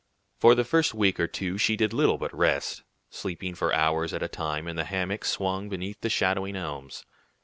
For the first week or two she did little but rest, sleeping for hours at a time in the hammock swung beneath the shadowing elms.